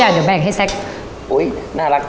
เดี๋ยวแบ่งให้แซ็ค